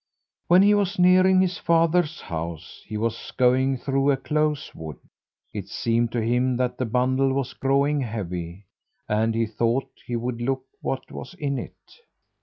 When he was nearing his father's house he was going through a close wood. It seemed to him that the bundle was growing heavy, and he thought he would look what was in it.